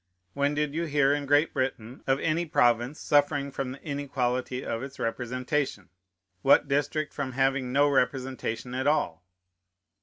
When did you hear in Great Britain of any province suffering from the inequality of its representation? what district from having no representation at all?